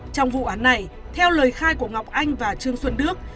trong vụ án này theo lời khai của ngọc anh và trương xuân đức